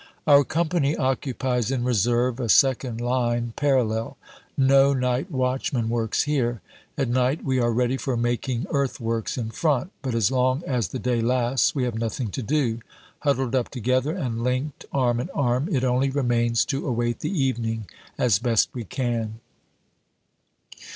Our company occupies, in reserve, a second line parallel. No night watchman works here. At night we are ready for making earthworks in front, but as long as the day lasts we have nothing to do. Huddled up together and linked arm in arm, it only remains to await the evening as best we can.